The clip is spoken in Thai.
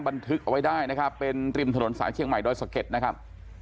บันทึกเอาไว้ได้นะครับเป็นริมถนนสายเชียงใหม่ดอยสะเก็ดนะครับ